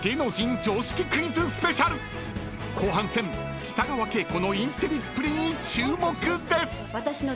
［後半戦北川景子のインテリっぷりに注目です！］